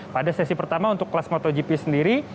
pada sesi pertama untuk kelas motogp sendiri